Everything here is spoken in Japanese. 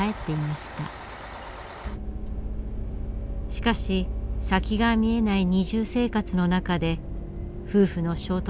しかし先が見えない二重生活の中で夫婦の衝突は増えていきます。